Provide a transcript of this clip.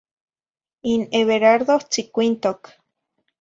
In Everardo tzicuintoc.